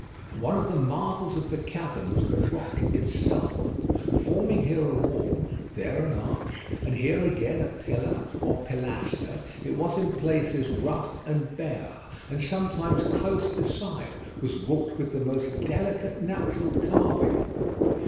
One of the marvels of the cavern was the rock itself. Forming here a wall, there an arch, and here again a pillar or pilaster, it was in places rough and bare, and sometimes close beside, was wrought with the most delicate natural carving.